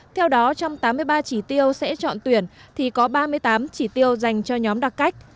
theo đó trong tám mươi ba chỉ tiêu sẽ chọn tuyển thì có ba mươi tám chỉ tiêu dành cho nhóm đặc cách